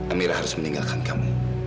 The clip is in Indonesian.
amira harus meninggalkan kamu